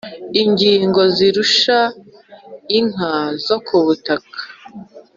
ingingo izirusha inka zo ku butaka